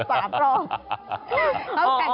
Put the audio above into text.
เอาเข้าเส้นชัยกัน๓รอบ